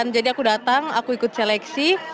jadi aku datang aku ikut seleksi